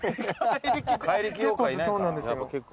結構そうなんですよ。